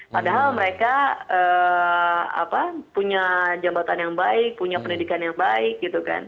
padahal mereka punya jabatan yang baik punya pendidikan yang baik gitu kan